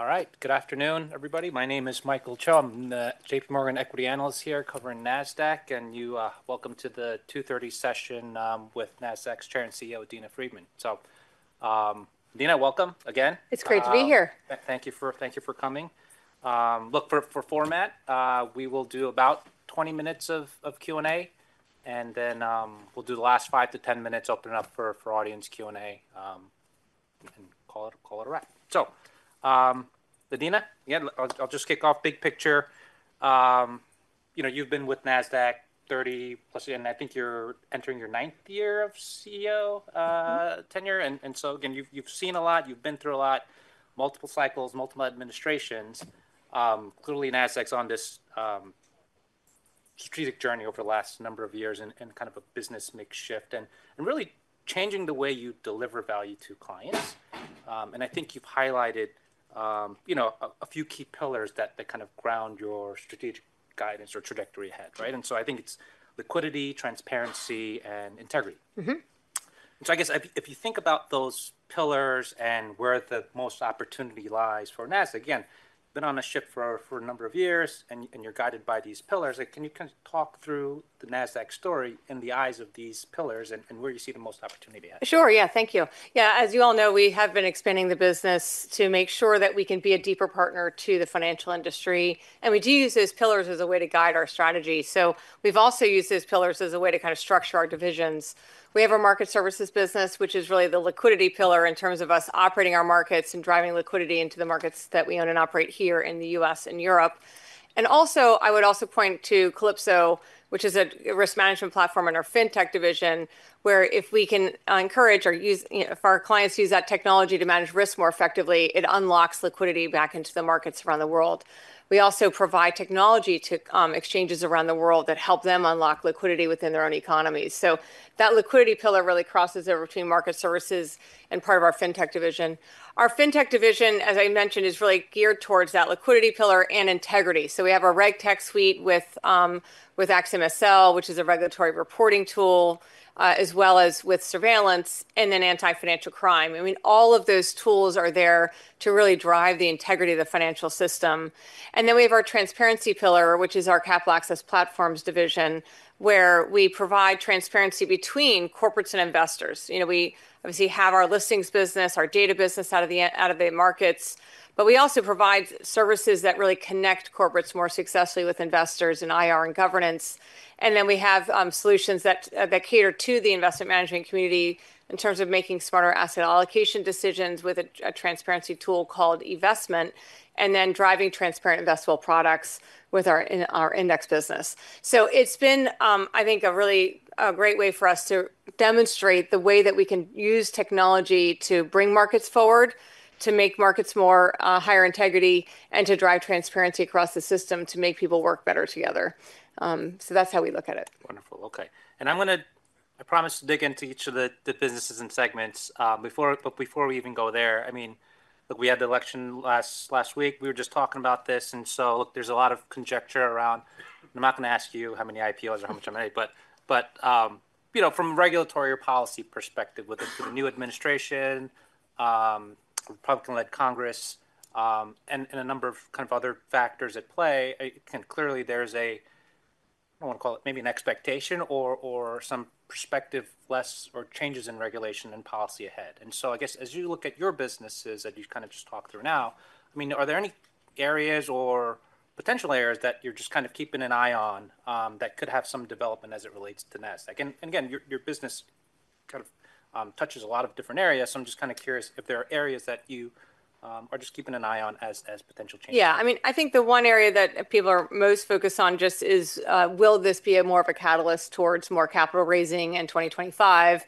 All right, good afternoon, everybody. My name is Michael Cho. I'm the JPMorgan equity analyst here covering Nasdaq, and welcome to the 2:30 P.M. session with Nasdaq's Chair and CEO, Adena Friedman. So, Adena, welcome again. It's great to be here. Thank you for coming. Look, for format, we will do about 20 minutes of Q&A, and then we'll do the last 5 to 10 minutes opening up for audience Q&A and call it a wrap. So, Adena, again, I'll just kick off big picture. You've been with Nasdaq 30-plus, and I think you're entering your ninth year of CEO tenure. And so, again, you've seen a lot, you've been through a lot, multiple cycles, multiple administrations. Clearly, Nasdaq's on this strategic journey over the last number of years in kind of a business model shift and really changing the way you deliver value to clients. And I think you've highlighted a few key pillars that kind of ground your strategic guidance or trajectory ahead, right? And so I think it's liquidity, transparency, and integrity. So I guess if you think about those pillars and where the most opportunity lies for Nasdaq, again, you've been on a ship for a number of years, and you're guided by these pillars. Can you kind of talk through the Nasdaq story in the eyes of these pillars and where you see the most opportunity? Sure, yeah, thank you. Yeah, as you all know, we have been expanding the business to make sure that we can be a deeper partner to the financial industry. And we do use those pillars as a way to guide our strategy. So we've also used those pillars as a way to kind of structure our divisions. We have our Market Services business, which is really the liquidity pillar in terms of us operating our markets and driving liquidity into the markets that we own and operate here in the U.S. and Europe. And also, I would also point to Calypso, which is a risk management platform in our fintech division, where if we can encourage or use if our clients use that technology to manage risk more effectively, it unlocks liquidity back into the markets around the world. We also provide technology to exchanges around the world that help them unlock liquidity within their own economies. So that liquidity pillar really crosses over between Market Services and part of our fintech division. Our fintech division, as I mentioned, is really geared towards that liquidity pillar and integrity. So we have our RegTech suite with AxiomSL, which is a regulatory reporting tool, as well as with surveillance and then Anti-Financial Crime. I mean, all of those tools are there to really drive the integrity of the financial system. And then we have our transparency pillar, which is our Capital Access Platforms division, where we provide transparency between corporates and investors. We obviously have our listings business, our data business out of the markets, but we also provide services that really connect corporates more successfully with investors and IR and governance. And then we have solutions that cater to eVestment management community in terms of making smarter asset allocation decisions with a transparency tool called eVestment and then driving transparent investable products with our index business. So it's been, I think, a really great way for us to demonstrate the way that we can use technology to bring markets forward, to make markets more higher integrity, and to drive transparency across the system to make people work better together. So that's how we look at it. Wonderful. Okay, and I'm going to. I promised to dig into each of the businesses and segments. But before we even go there, I mean, look, we had the election last week. We were just talking about this. And so, look, there's a lot of conjecture around, and I'm not going to ask you how many IPOs or how much I made, but from a regulatory or policy perspective with the new administration, Republican-led Congress, and a number of kind of other factors at play, clearly there's a. I don't want to call it maybe an expectation or some perspective of less or changes in regulation and policy ahead. And so I guess as you look at your businesses that you kind of just talked through now, I mean, are there any areas or potential areas that you're just kind of keeping an eye on that could have some development as it relates to Nasdaq? And again, your business kind of touches a lot of different areas, so I'm just kind of curious if there are areas that you are just keeping an eye on as potential changes. Yeah, I mean, I think the one area that people are most focused on just is, will this be more of a catalyst towards more capital raising in 2025?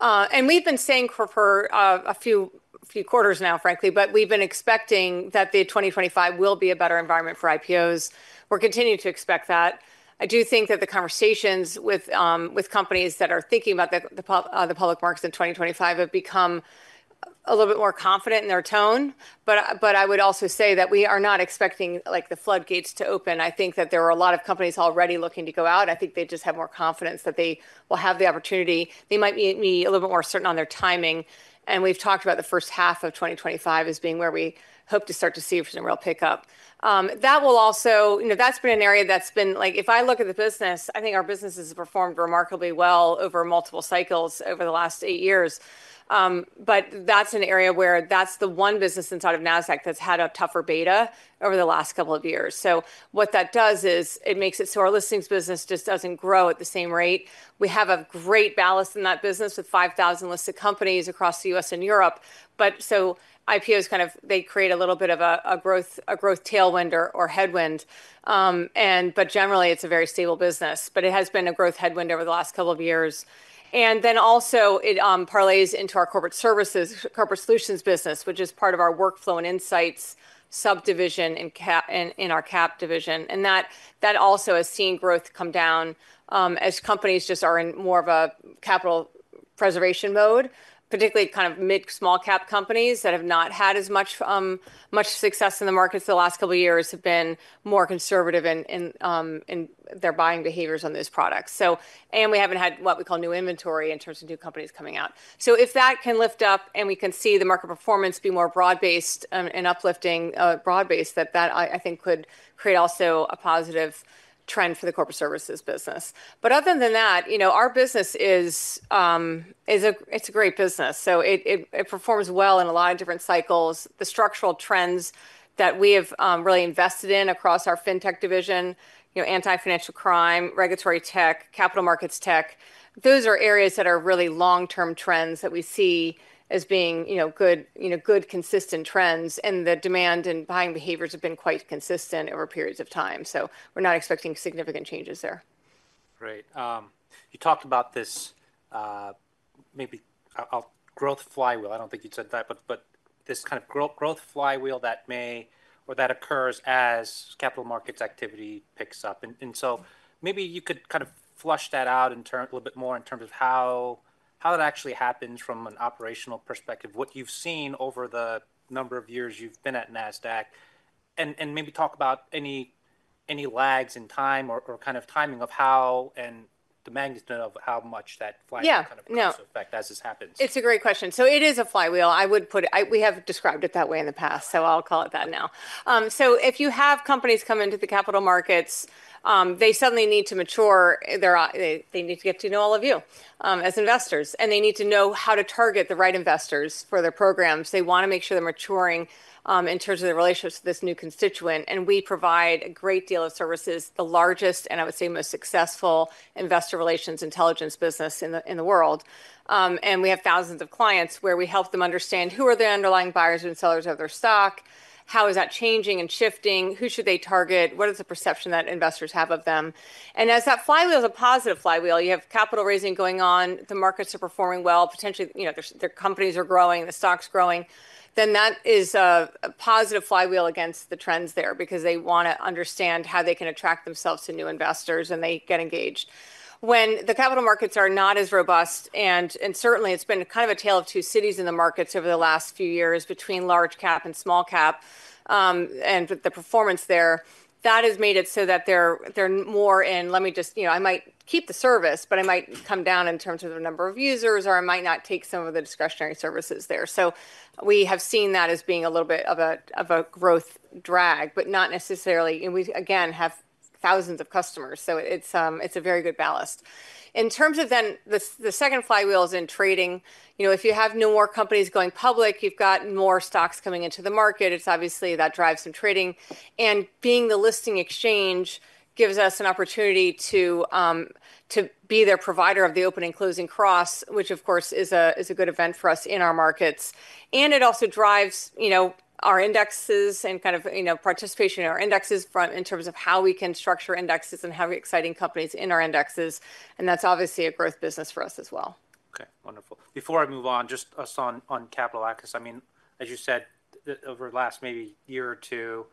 And we've been saying for a few quarters now, frankly, but we've been expecting that the 2025 will be a better environment for IPOs. We're continuing to expect that. I do think that the conversations with companies that are thinking about the public markets in 2025 have become a little bit more confident in their tone. But I would also say that we are not expecting the floodgates to open. I think that there are a lot of companies already looking to go out. I think they just have more confidence that they will have the opportunity. They might be a little bit more certain on their timing. We've talked about the first half of 2025 as being where we hope to start to see some real pickup. That will also. That's been an area, like, if I look at the business, I think our business has performed remarkably well over multiple cycles over the last eight years, but that's an area where that's the one business inside of Nasdaq that's had a tougher beta over the last couple of years, so what that does is it makes it so our listings business just doesn't grow at the same rate. We have a great balance in that business with 5,000 listed companies across the U.S. and Europe, but so IPOs kind of, they create a little bit of a growth tailwind or headwind, but generally, it's a very stable business. But it has been a growth headwind over the last couple of years. Then also it parlays into our corporate services, corporate solutions business, which is part of our workflow and insights subdivision in our cap division. That also has seen growth come down as companies just are in more of a capital preservation mode, particularly kind of mid-small cap companies that have not had as much success in the markets the last couple of years have been more conservative in their buying behaviors on those products. We haven't had what we call new inventory in terms of new companies coming out. If that can lift up and we can see the market performance be more broad-based and uplifting, broad-based, I think that could create also a positive trend for the corporate services business. Other than that, our business is a great business. It performs well in a lot of different cycles. The structural trends that we have really invested in across our fintech division, Anti-Financial Crime, regulatory tech, capital markets tech, those are areas that are really long-term trends that we see as being good, consistent trends, and the demand and buying behaviors have been quite consistent over periods of time, so we're not expecting significant changes there. Great. You talked about this maybe growth flywheel. I don't think you'd said that, but this kind of growth flywheel that may or that occurs as capital markets activity picks up, and so maybe you could kind of flesh that out a little bit more in terms of how that actually happens from an operational perspective, what you've seen over the number of years you've been at Nasdaq, and maybe talk about any lags in time or kind of timing of how and the magnitude of how much that flywheel kind of comes into effect as this happens. It's a great question, so it is a flywheel. I would put it, we have described it that way in the past, so I'll call it that now, so if you have companies come into the capital markets, they suddenly need to mature. They need to get to know all of you as investors, and they need to know how to target the right investors for their programs. They want to make sure they're maturing in terms of their relationships to this new constituent, and we provide a great deal of services, the largest and I would say most successful investor relations intelligence business in the world, and we have thousands of clients where we help them understand who are the underlying buyers and sellers of their stock, how is that changing and shifting, who should they target, what is the perception that investors have of them. And as that flywheel is a positive flywheel, you have capital raising going on, the markets are performing well, potentially their companies are growing, the stock's growing, then that is a positive flywheel against the trends there because they want to understand how they can attract themselves to new investors and they get engaged. When the capital markets are not as robust, and certainly it's been kind of a tale of two cities in the markets over the last few years between large cap and small cap and the performance there, that has made it so that they're more in, let me just, I might keep the service, but I might come down in terms of the number of users or I might not take some of the discretionary services there. So we have seen that as being a little bit of a growth drag, but not necessarily. We, again, have thousands of customers, so it's a very good balance. In terms of then the second flywheel is in trading. If you have no more companies going public, you've got more stocks coming into the market, it's obviously that drives some trading. Being the listing exchange gives us an opportunity to be their provider of the opening closing cross, which of course is a good event for us in our markets. It also drives our indexes and kind of participation in our indexes in terms of how we can structure indexes and have exciting companies in our indexes. That's obviously a growth business for us as well. Okay, wonderful. Before I move on, just on capital access, I mean, as you said, over the last maybe year or two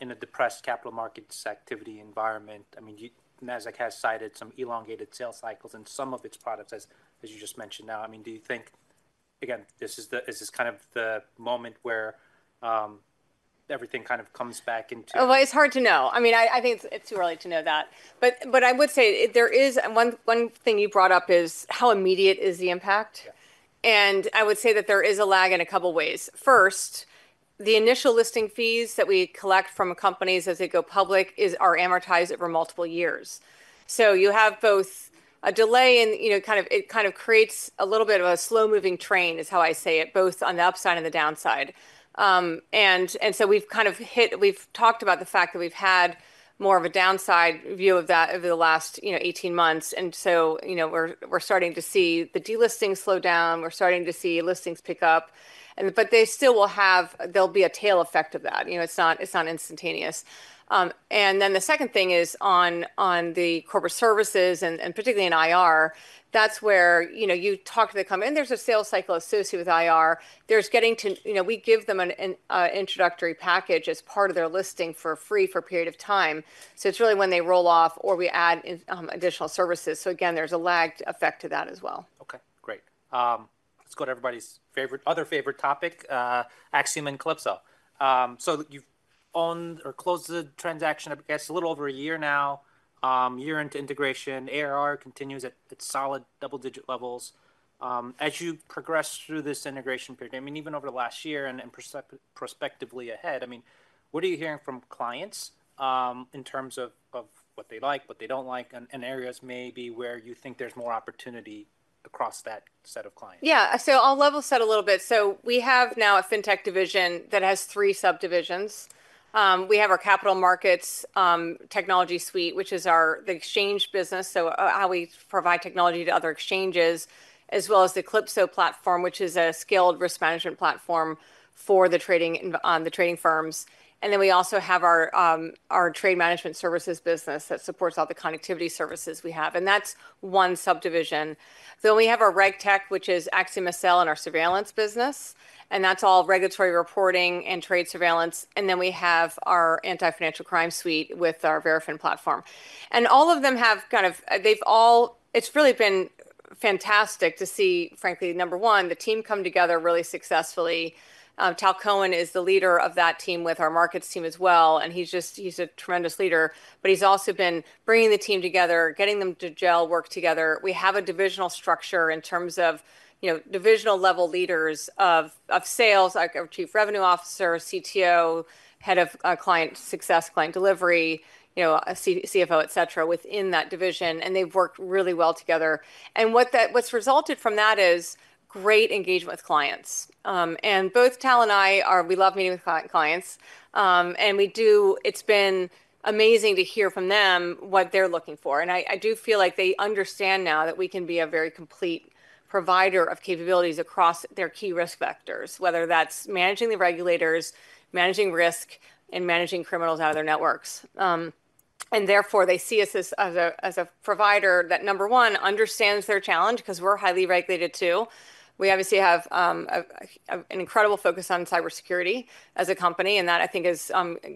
in a depressed capital markets activity environment, I mean, Nasdaq has cited some elongated sales cycles in some of its products, as you just mentioned now. I mean, do you think, again, this is kind of the moment where everything kind of comes back into? It's hard to know. I mean, I think it's too early to know that. But I would say there is one thing you brought up is how immediate is the impact. And I would say that there is a lag in a couple of ways. First, the initial listing fees that we collect from companies as they go public are amortized over multiple years. So you have both a delay in kind of it kind of creates a little bit of a slow-moving train, is how I say it, both on the upside and the downside. And so we've kind of hit, we've talked about the fact that we've had more of a downside view of that over the last 18 months. And so we're starting to see the delisting slow down, we're starting to see listings pick up. But they still will have. There'll be a tail effect of that. It's not instantaneous. And then the second thing is on the corporate services and particularly in IR. That's where you talk to the company, and there's a sales cycle associated with IR. There's getting to. We give them an introductory package as part of their listing for free for a period of time. So it's really when they roll off or we add additional services. So again, there's a lagged effect to that as well. Okay, great. Let's go to everybody's favorite, other favorite topic, AxiomSL and Calypso. So you've owned or closed the transaction, I guess, a little over a year now, year into integration. ARR continues at solid double-digit levels. As you progress through this integration period, I mean, even over the last year and prospectively ahead, I mean, what are you hearing from clients in terms of what they like, what they don't like, and areas maybe where you think there's more opportunity across that set of clients? Yeah, so I'll level set a little bit. So we have now a fintech division that has three subdivisions. We have our Capital Markets Technology suite, which is our exchange business, so how we provide technology to other exchanges, as well as the Calypso platform, which is a scaled risk management platform for the trading firms. And then we also have our Trade Management Services business that supports all the connectivity services we have. And that's one subdivision. Then we have our RegTech, which is AxiomSL and our surveillance business. And that's all regulatory reporting and trade surveillance. And then we have our Anti-Financial Crime suite with our Verafin platform. And all of them have kind of, they've all, it's really been fantastic to see, frankly, number one, the team come together really successfully. Tal Cohen is the leader of that team with our markets team as well. He's just, he's a tremendous leader. He's also been bringing the team together, getting them to gel, work together. We have a divisional structure in terms of divisional level leaders of sales, our Chief Revenue Officer, CTO, Head of Client Success, client delivery, CFO, et cetera, within that division. They've worked really well together. What's resulted from that is great engagement with clients. Both Tal and I are. We love meeting with clients. We do. It's been amazing to hear from them what they're looking for. I do feel like they understand now that we can be a very complete provider of capabilities across their key risk vectors, whether that's managing the regulators, managing risk, and managing criminals out of their networks. Therefore, they see us as a provider that, number one, understands their challenge because we're highly regulated too. We obviously have an incredible focus on cybersecurity as a company. And that I think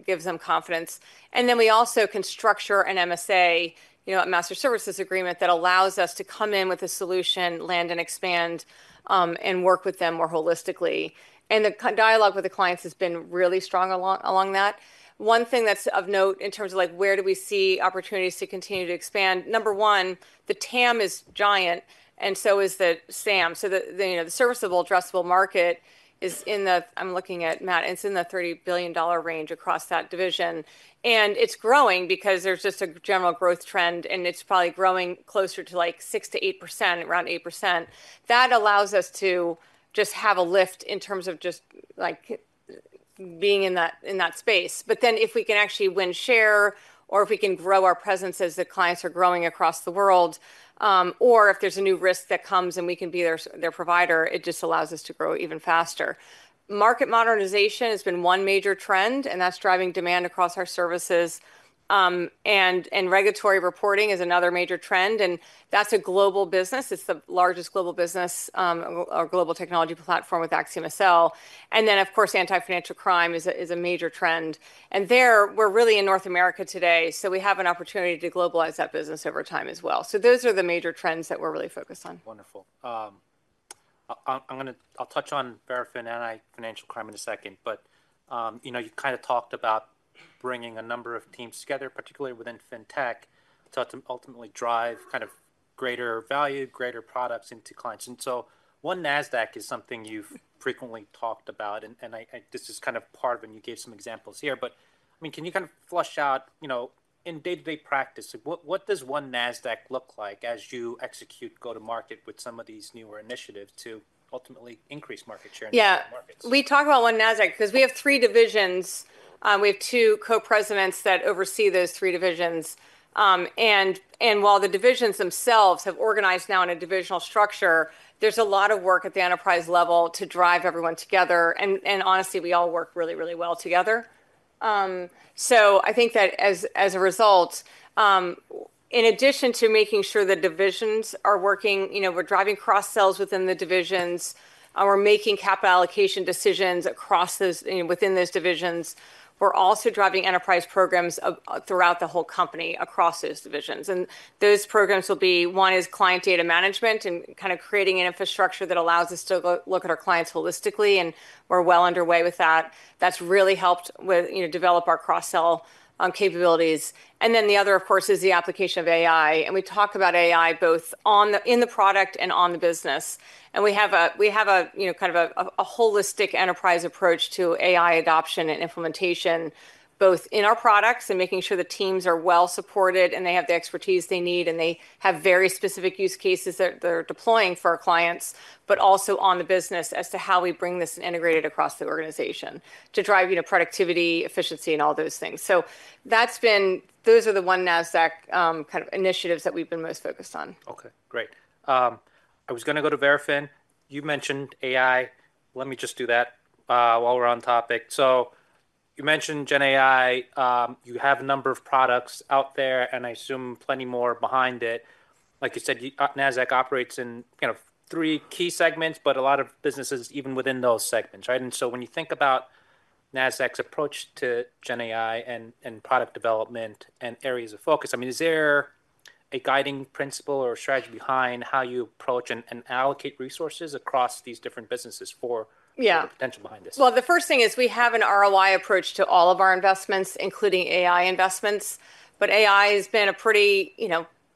gives them confidence. And then we also can structure an MSA, a master services agreement that allows us to come in with a solution, land and expand, and work with them more holistically. And the dialogue with the clients has been really strong along that. One thing that's of note in terms of where do we see opportunities to continue to expand, number one, the TAM is giant. And so is the SAM. So the serviceable, addressable market is in the, I'm looking at, Matt, it's in the $30 billion range across that division. And it's growing because there's just a general growth trend. And it's probably growing closer to like 6%-8%, around 8%. That allows us to just have a lift in terms of just being in that space. But then if we can actually win share or if we can grow our presence as the clients are growing across the world, or if there's a new risk that comes and we can be their provider, it just allows us to grow even faster. Market modernization has been one major trend. And that's driving demand across our services. And regulatory reporting is another major trend. And that's a global business. It's the largest global business, a global technology platform with AxiomSL. And then, of course, Anti-Financial Crime is a major trend. And there, we're really in North America today. So we have an opportunity to globalize that business over time as well. So those are the major trends that we're really focused on. Wonderful. I'll touch on Verafin and financial crime in a second. But you kind of talked about bringing a number of teams together, particularly within fintech, to ultimately drive kind of greater value, greater products into clients. And so One Nasdaq is something you've frequently talked about. And this is kind of part of, and you gave some examples here. But I mean, can you kind of flesh out in day-to-day practice, what does One Nasdaq look like as you execute go-to-market with some of these newer initiatives to ultimately increase market share in different markets? Yeah, we talk about One Nasdaq because we have three divisions. We have two co-presidents that oversee those three divisions. And while the divisions themselves have organized now in a divisional structure, there's a lot of work at the enterprise level to drive everyone together. And honestly, we all work really, really well together. So I think that as a result, in addition to making sure the divisions are working, we're driving cross-sells within the divisions. We're making capital allocation decisions across those, within those divisions. We're also driving enterprise programs throughout the whole company across those divisions. And those programs will be, one is client data management and kind of creating an infrastructure that allows us to look at our clients holistically. And we're well underway with that. That's really helped develop our cross-sell capabilities. And then the other, of course, is the application of AI. And we talk about AI both in the product and on the business. And we have a kind of a holistic enterprise approach to AI adoption and implementation, both in our products and making sure the teams are well supported and they have the expertise they need and they have very specific use cases that they're deploying for our clients, but also on the business as to how we bring this and integrate it across the organization to drive productivity, efficiency, and all those things. So those are the One Nasdaq kind of initiatives that we've been most focused on. Okay, great. I was going to go to Verafin. You mentioned AI. Let me just do that while we're on topic. So you mentioned GenAI. You have a number of products out there and I assume plenty more behind it. Like you said, Nasdaq operates in kind of three key segments, but a lot of businesses even within those segments, right? And so when you think about Nasdaq's approach to GenAI and product development and areas of focus, I mean, is there a guiding principle or strategy behind how you approach and allocate resources across these different businesses for the potential behind this? The first thing is we have an ROI approach to all of our investments, including AI investments. AI has been a pretty,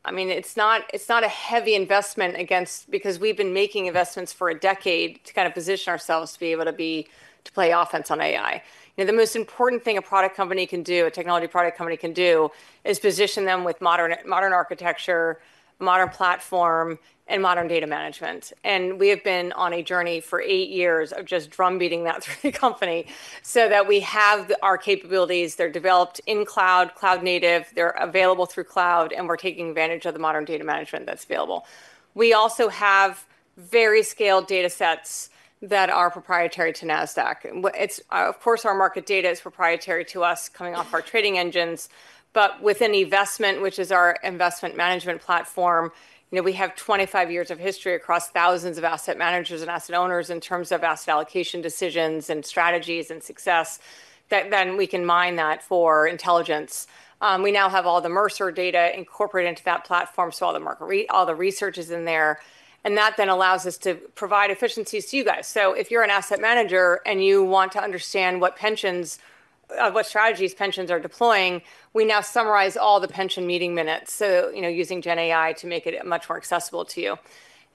I mean, it's not a heavy investment against, because we've been making investments for a decade to kind of position ourselves to be able to play offense on AI. The most important thing a product company can do, a technology product company can do, is position them with modern architecture, modern platform, and modern data management. We have been on a journey for eight years of just drumbeating that through the company so that we have our capabilities. They're developed in cloud, cloud native, they're available through cloud, and we're taking advantage of the modern data management that's available. We also have very scaled data sets that are proprietary to Nasdaq. Of course, our market data is proprietary to us coming off our trading engines. But within eVestment, which is our investment management platform, we have 25 years of history across thousands of asset managers and asset owners in terms of asset allocation decisions and strategies and success that then we can mine that for intelligence. We now have all the Mercer data incorporated into that platform, so all the research is in there. And that then allows us to provide efficiencies to you guys. So if you're an asset manager and you want to understand what strategies pensions are deploying, we now summarize all the pension meeting minutes using GenAI to make it much more accessible to you.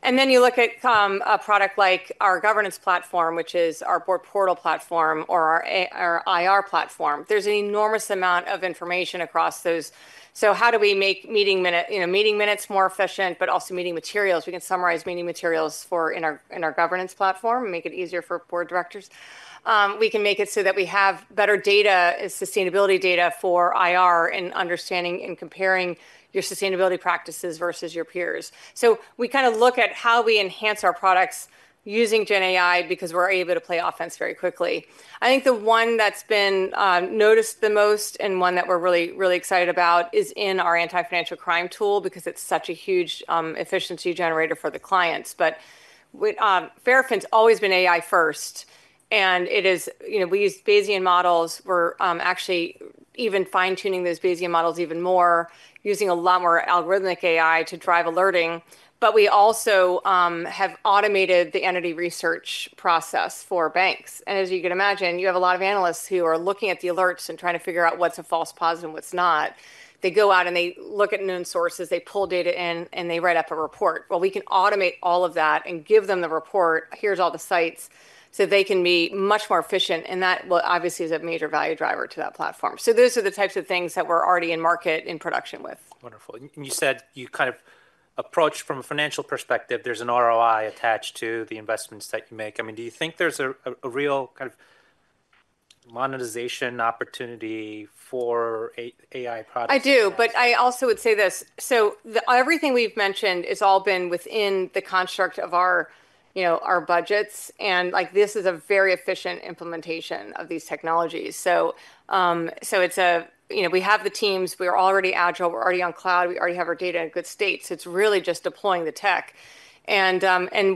And then you look at a product like our governance platform, which is our board portal platform or our IR platform. There's an enormous amount of information across those. So how do we make meeting minutes more efficient, but also meeting materials? We can summarize meeting materials in our governance platform and make it easier for board directors. We can make it so that we have better data, sustainability data for IR and understanding and comparing your sustainability practices versus your peers, so we kind of look at how we enhance our products using GenAI because we're able to play offense very quickly. I think the one that's been noticed the most and one that we're really, really excited about is in our Anti-Financial Crime tool because it's such a huge efficiency generator for the clients, but Verafin's always been AI first, and we use Bayesian models. We're actually even fine-tuning those Bayesian models even more, using a lot more algorithmic AI to drive alerting, but we also have automated the entity research process for banks. As you can imagine, you have a lot of analysts who are looking at the alerts and trying to figure out what's a false positive and what's not. They go out and they look at known sources, they pull data in, and they write up a report. We can automate all of that and give them the report, here's all the sites, so they can be much more efficient. That obviously is a major value driver to that platform. Those are the types of things that we're already in market, in production with. Wonderful. And you said you kind of approach from a financial perspective, there's an ROI attached to eVestments that you make. I mean, do you think there's a real kind of monetization opportunity for AI products? I do. But I also would say this. So everything we've mentioned has all been within the construct of our budgets. And this is a very efficient implementation of these technologies. So we have the teams, we're already agile, we're already on cloud, we already have our data in good state. So it's really just deploying the tech. And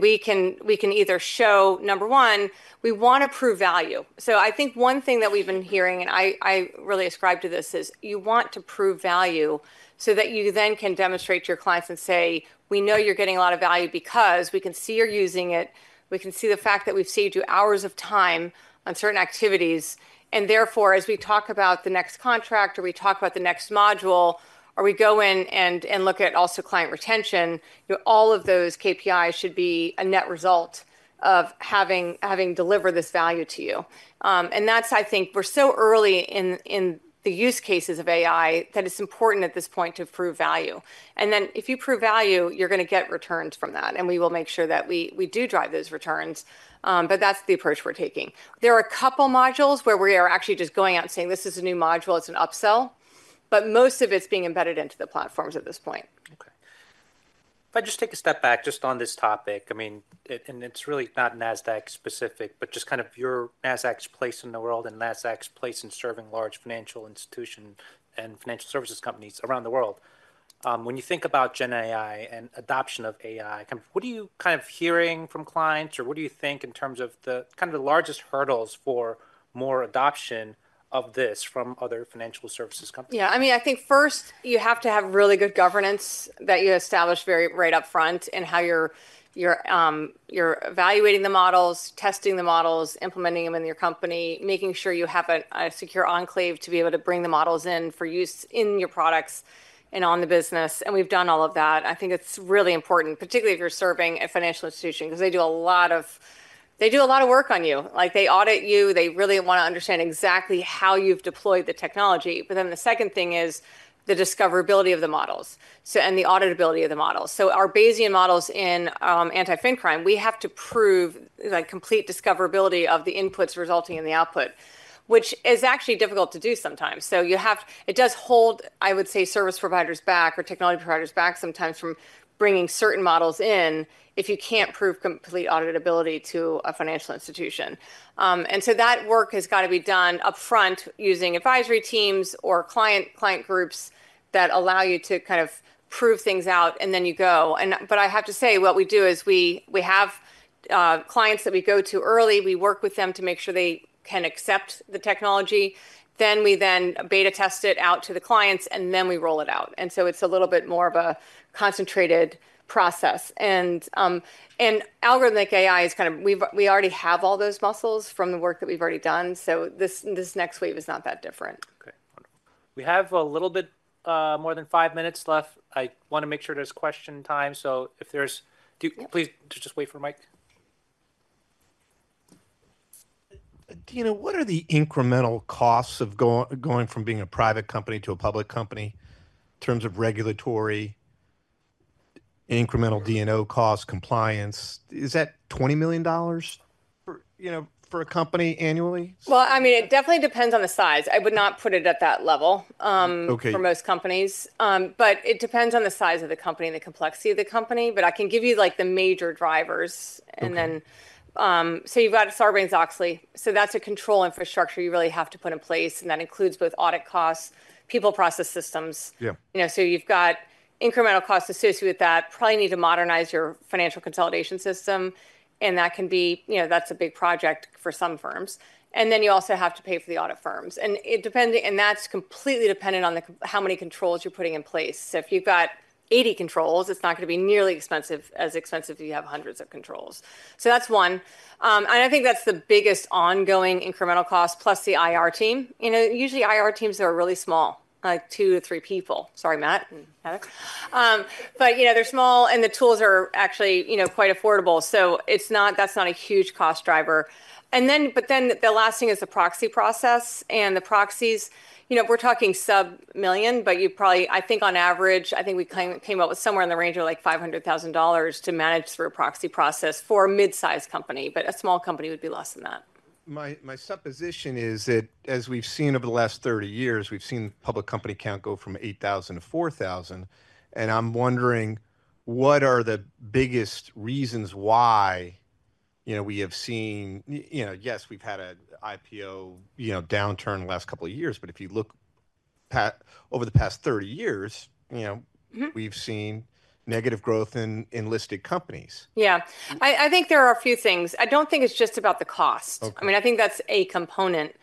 we can either show, number one, we want to prove value. So I think one thing that we've been hearing, and I really ascribe to this, is you want to prove value so that you then can demonstrate to your clients and say, we know you're getting a lot of value because we can see you're using it. We can see the fact that we've saved you hours of time on certain activities. And therefore, as we talk about the next contract or we talk about the next module or we go in and look at also client retention, all of those KPIs should be a net result of having delivered this value to you. And that's, I think, we're so early in the use cases of AI that it's important at this point to prove value. And then if you prove value, you're going to get returns from that. And we will make sure that we do drive those returns. But that's the approach we're taking. There are a couple of modules where we are actually just going out and saying, this is a new module, it's an upsell. But most of it's being embedded into the platforms at this point. Okay. If I just take a step back just on this topic, I mean, and it's really not Nasdaq specific, but just kind of your Nasdaq's place in the world and Nasdaq's place in serving large financial institutions and financial services companies around the world. When you think about GenAI and adoption of AI, what are you kind of hearing from clients or what do you think in terms of the kind of the largest hurdles for more adoption of this from other financial services companies? Yeah, I mean, I think first you have to have really good governance that you establish right up front in how you're evaluating the models, testing the models, implementing them in your company, making sure you have a secure enclave to be able to bring the models in for use in your products and on the business. And we've done all of that. I think it's really important, particularly if you're serving a financial institution because they do a lot of work on you. They audit you. They really want to understand exactly how you've deployed the technology. But then the second thing is the discoverability of the models and the auditability of the models. So our Bayesian models in anti-fin crime, we have to prove complete discoverability of the inputs resulting in the output, which is actually difficult to do sometimes. So it does hold, I would say, service providers back or technology providers back sometimes from bringing certain models in if you can't prove complete auditability to a financial institution. And so that work has got to be done upfront using advisory teams or client groups that allow you to kind of prove things out and then you go. But I have to say what we do is we have clients that we go to early. We work with them to make sure they can accept the technology. Then we beta test it out to the clients and then we roll it out. And so it's a little bit more of a concentrated process. And algorithmic AI is kind of we already have all those muscles from the work that we've already done. So this next wave is not that different. Okay, wonderful. We have a little bit more than five minutes left. I want to make sure there's question time. So if there's, please just wait for Mike. You know, what are the incremental costs of going from being a private company to a public company in terms of regulatory, incremental D&O costs, compliance? Is that $20 million for a company annually? Well, I mean, it definitely depends on the size. I would not put it at that level for most companies, but it depends on the size of the company and the complexity of the company, but I can give you the major drivers, and then so you've got Sarbanes-Oxley, so that's a control infrastructure you really have to put in place, and that includes both audit costs, people, process, systems, so you've got incremental costs associated with that. Probably need to modernize your financial consolidation system, and that can be, that's a big project for some firms, and then you also have to pay for the audit firms, and that's completely dependent on how many controls you're putting in place, so if you've got 80 controls, it's not going to be nearly as expensive if you have hundreds of controls, so that's one. I think that's the biggest ongoing incremental cost plus the IR team. Usually IR teams that are really small, like two to three people. Sorry, Matt and Alex. But they're small and the tools are actually quite affordable. So that's not a huge cost driver. But then the last thing is the proxy process. And the proxies, we're talking sub-million, but you probably, I think on average, I think we came up with somewhere in the range of like $500,000 to manage through a proxy process for a mid-sized company. But a small company would be less than that. My supposition is that as we've seen over the last 30 years, we've seen public company count go from 8,000 to 4,000. And I'm wondering what are the biggest reasons why we have seen, yes, we've had an IPO downturn the last couple of years, but if you look over the past 30 years, we've seen negative growth in listed companies. Yeah. I think there are a few things. I don't think it's just about the cost. I mean, I think that's a component.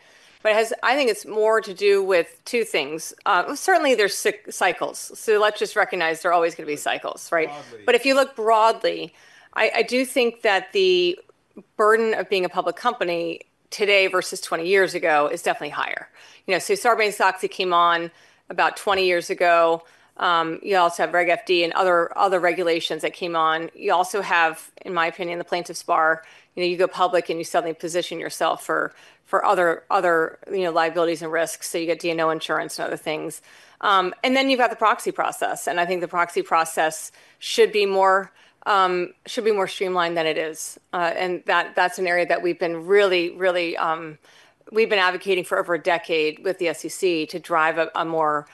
But I think it's more to do with two things. Certainly there's cycles. So let's just recognize there are always going to be cycles, right? But if you look broadly, I do think that the burden of being a public company today versus 20 years ago is definitely higher. So Sarbanes-Oxley came on about 20 years ago. You also have Reg FD and other regulations that came on. You also have, in my opinion, the plaintiff's bar. You go public and you suddenly position yourself for other liabilities and risks. So you get D&O insurance and other things. And then you've got the proxy process. And I think the proxy process should be more streamlined than it is. And that's an area that we've been really, really, we've been advocating for over a decade with the SEC to drive a more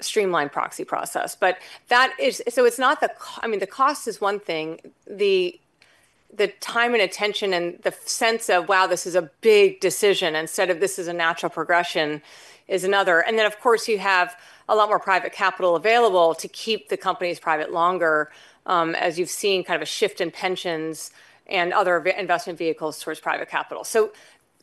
streamlined proxy process. But so it's not the, I mean, the cost is one thing. The time and attention and the sense of, wow, this is a big decision instead of this is a natural progression is another. And then, of course, you have a lot more private capital available to keep the companies private longer as you've seen kind of a shift in pensions and other investment vehicles towards private capital. So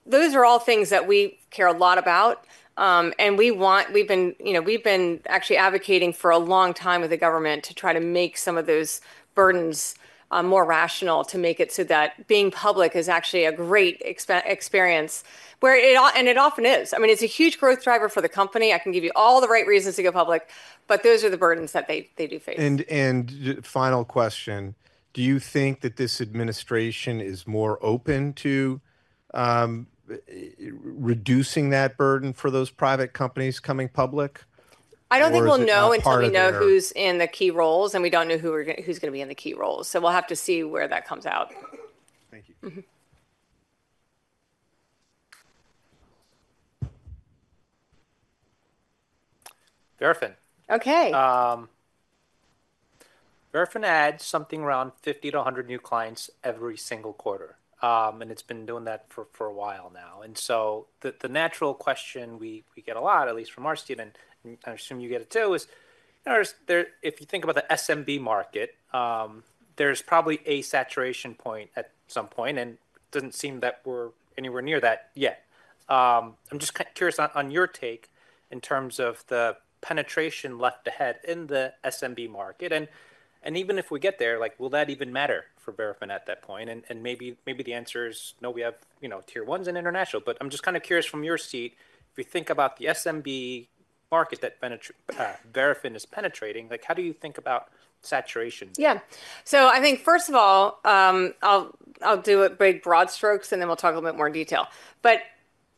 those are all things that we care a lot about. And we've been actually advocating for a long time with the government to try to make some of those burdens more rational to make it so that being public is actually a great experience. And it often is. I mean, it's a huge growth driver for the company. I can give you all the right reasons to go public, but those are the burdens that they do face. Final question, do you think that this administration is more open to reducing that burden for those private companies coming public? I don't think we'll know until we know who's in the key roles, and we don't know who's going to be in the key roles, so we'll have to see where that comes out. Thank you. Verafin. Okay. Verafin adds something around 50-100 new clients every single quarter. And it's been doing that for a while now. And so the natural question we get a lot, at least from our sell-side, and I assume you get it too, is if you think about the SMB market, there's probably a saturation point at some point. And it doesn't seem that we're anywhere near that yet. I'm just curious on your take in terms of the penetration left ahead in the SMB market. And even if we get there, will that even matter for Verafin at that point? And maybe the answer is no, we have tier ones and international. But I'm just kind of curious from your seat, if you think about the SMB market that Verafin is penetrating, how do you think about saturation? Yeah. So I think first of all, I'll do it in broad strokes and then we'll talk a little bit more in detail. But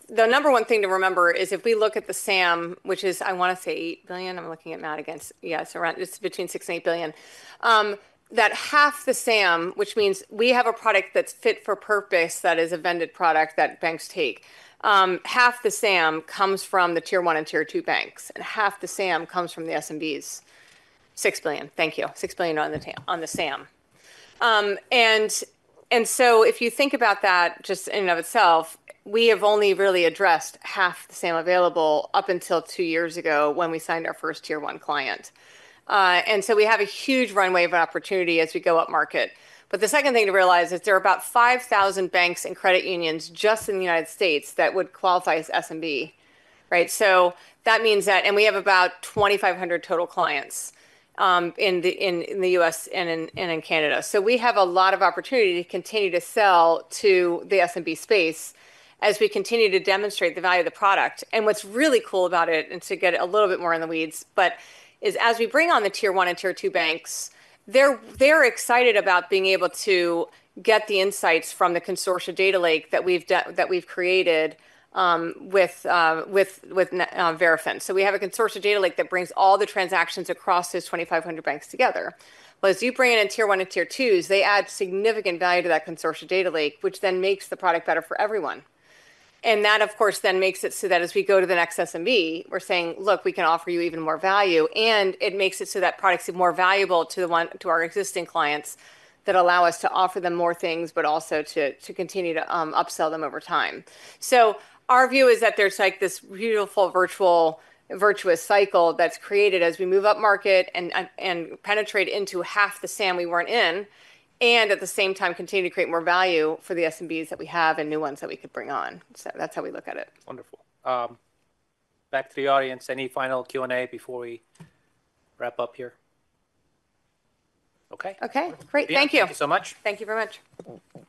the number one thing to remember is if we look at the SAM, which is, I want to say $8 billion. I'm looking at my notes, yeah, it's between $6 billion and $8 billion. That half the SAM, which means we have a product that's fit for purpose that is a vended product that banks take. Half the SAM comes from the tier one and tier two banks. And half the SAM comes from the SMBs. $6 billion. Thank you. $6 billion on the SAM. And so if you think about that just in and of itself, we have only really addressed half the SAM available up until two years ago when we signed our first tier one client. And so we have a huge runway of opportunity as we go up market. But the second thing to realize is there are about 5,000 banks and credit unions just in the United States that would qualify as SMB. So that means that, and we have about 2,500 total clients in the U.S. and in Canada. So we have a lot of opportunity to continue to sell to the SMB space as we continue to demonstrate the value of the product. And what's really cool about it, and to get a little bit more in the weeds, but is as we bring on the tier one and tier two banks, they're excited about being able to get the insights from the consortium data lake that we've created with Verafin. So we have a consortium data lake that brings all the transactions across those 2,500 banks together. As you bring in tier one and tier twos, they add significant value to that consortium data lake, which then makes the product better for everyone, and that, of course, then makes it so that as we go to the next SMB, we're saying, look, we can offer you even more value. And it makes it so that products are more valuable to our existing clients that allow us to offer them more things, but also to continue to upsell them over time, so our view is that there's like this beautiful virtuous cycle that's created as we move up market and penetrate into half the SAM we weren't in, and at the same time continue to create more value for the SMBs that we have and new ones that we could bring on. So that's how we look at it. Wonderful. Back to the audience. Any final Q&A before we wrap up here? Okay? Okay. Great. Thank you. Thank you so much. Thank you very much.